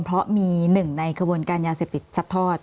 เพราะมีหนึ่งในขบวนการยาเสพติดซัดทอด